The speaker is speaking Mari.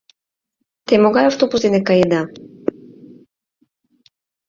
Те могай автобус дене каеда?